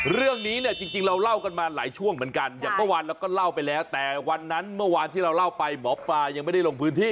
เรื่องนี้เนี่ยจริงเราเล่ากันมาหลายช่วงเหมือนกันอย่างเมื่อวานเราก็เล่าไปแล้วแต่วันนั้นเมื่อวานที่เราเล่าไปหมอปลายังไม่ได้ลงพื้นที่